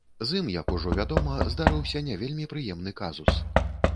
З ім, як ужо вядома, здарыўся не вельмі прыемны казус.